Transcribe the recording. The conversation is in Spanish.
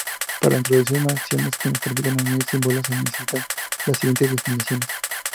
Para introducir nociones que permitan unir símbolos se necesita las siguientes definiciones.